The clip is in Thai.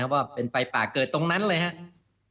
ว่าเป็นไฟป่าเกิดตรงนั้นเลยครับ